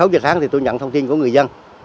sáu giờ sáng thì tôi nhận thông tin của người dân